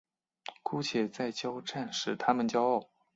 姑且再交战使他们骄傲。